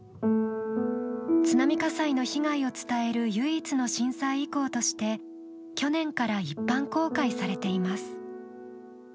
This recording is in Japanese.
津波火災の被害を伝える唯一の震災遺構として去年から一般公開されています。